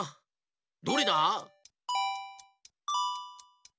どれだ？